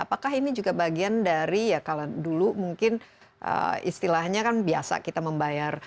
apakah ini juga bagian dari ya kalau dulu mungkin istilahnya kan biasa kita membayar